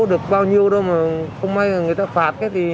không được bao nhiêu đâu mà không may là người ta phạt cái gì